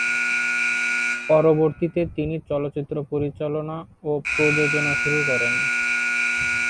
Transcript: পরবর্তীতে তিনি চলচ্চিত্র পরিচালনা ও প্রযোজনা শুরু করেন।